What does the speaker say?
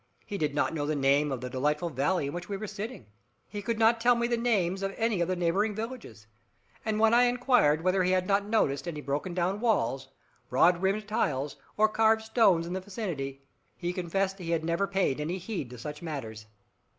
He did not know the name of the delightful valley in which we were sitting, he could not tell me the names of any of the neighbouring villages, and when I inquired whether he had not noticed any broken down walls, broad rimmed tiles, or carved stones in the vicinity, he confessed he had never paid any heed to such matters.